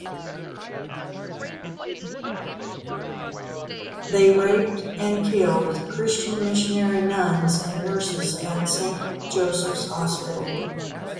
They raped and killed Christian Missionary Nuns and nurses at Saint Joseph's Hospital.